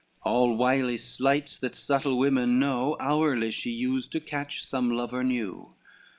LXXXVII All wily sleights that subtle women know, Hourly she used, to catch some lover new.